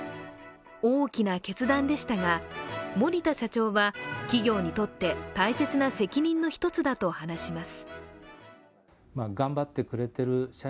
大きな決断でしたが森田社長は企業にとって大切な責任の１つだと話します。